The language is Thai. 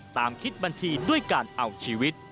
ตามคิดบัญชีด้วยการเอาชีวิต